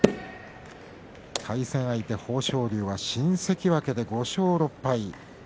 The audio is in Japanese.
対戦相手、豊昇龍は新関脇で５勝６敗。